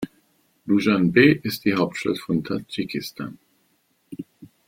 Duschanbe ist die Hauptstadt von Tadschikistan.